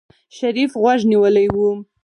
شريف غوږ نيولی و.